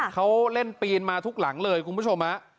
เขาเล่นปีนมาทุกหลังเลยคุณผู้ชม